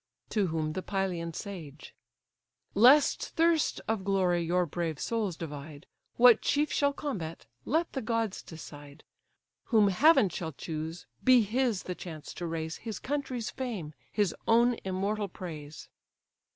To whom the Pylian sage: "Lest thirst of glory your brave souls divide, What chief shall combat, let the gods decide. Whom heaven shall choose, be his the chance to raise His country's fame, his own immortal praise."